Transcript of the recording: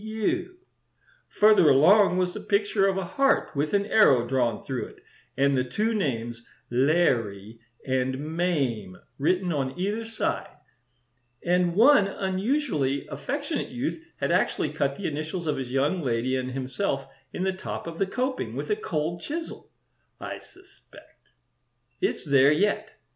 [Illustration: "'THE PICTURE OF A HEART WITH AN ARROW DRAWN THROUGH IT'"] "Further along was the picture of a heart with an arrow drawn through it, and the two names 'Larry' and 'Mame' written on either side. And one unusually affectionate youth had actually cut the initials of his young lady and himself in the top of the coping, with a cold chisel, I suspect. It's there yet.